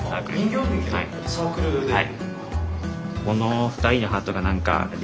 はい。